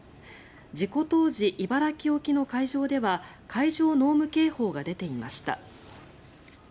事故当時、茨城沖の海上では海上濃霧警報が出ていました。